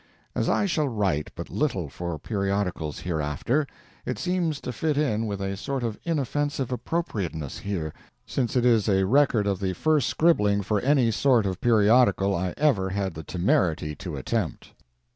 As I shall write but little for periodicals hereafter, it seems to fit in with a sort of inoffensive appropriateness here, since it is a record of the first scribbling for any sort of periodical I ever had the temerity to attempt.